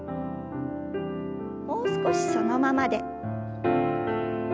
もう少しそのままで。